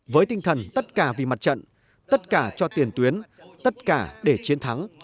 với tinh thần tất cả vì mặt trận tất cả cho tiền tuyến tất cả để chiến thắng